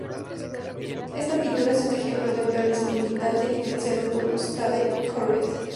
Esta pintura es un ejemplo de su realismo militante, influenciado por Gustave Courbet.